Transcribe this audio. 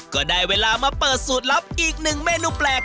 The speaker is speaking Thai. ก็ได้เวลามาเปิดสูตรลับอีกหนึ่งเมนูแปลก